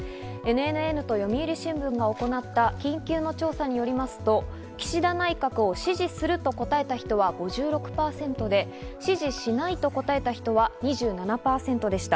ＮＮＮと読売新聞が行った緊急の調査によりますと岸田内閣を支持すると答えた人は５６％で、支持しないと答えた人は２７％でした。